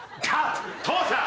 父さん。